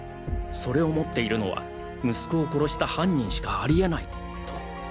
それを持っているのは息子を殺した犯人しかありえない」と。